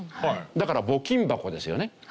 だから募金箱ですよね。